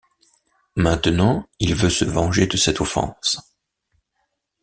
Maintenant, il veut se venger de cette offense.